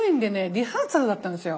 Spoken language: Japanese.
リハーサルだったんですよ。